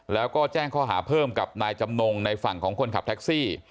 แล้วก็แจ้งข้อหาเพิ่มกับนายจำนงในฝั่งของคนขับแท็กซี่